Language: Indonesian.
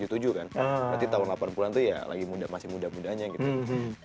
berarti tahun delapan puluh an tuh ya lagi masih muda mudanya gitu